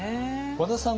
和田さん